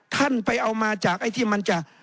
ท่านไปเอามาจากไอ้ที่มันจะ